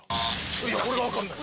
これが分かんない。